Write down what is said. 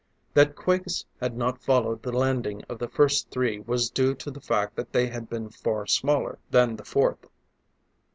That quakes had not followed the landing of the first three was due to the fact that they had been far smaller than the fourth.